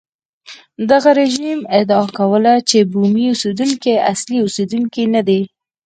دغه رژیم ادعا کوله چې بومي اوسېدونکي اصلي اوسېدونکي نه دي.